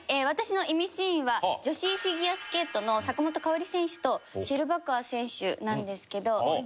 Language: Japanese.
私のイミシーンは女子フィギュアスケートの坂本花織選手とシェルバコワ選手なんですけど。